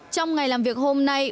trong ngày làm việc hôm nay